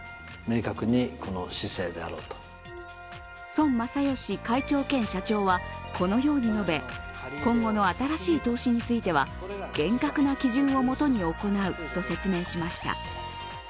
孫正義会長兼社長は、このように述べ、今後の新しい投資については厳格な基準をもとに行うと説明しました。